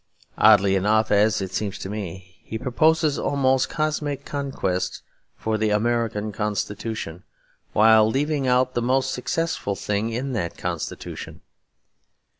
Oddly enough, as it seems to me, he proposes almost cosmic conquests for the American Constitution, while leaving out the most successful thing in that Constitution.